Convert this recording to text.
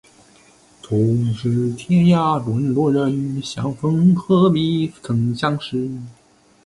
同是天涯沦落人，相逢何必曾相识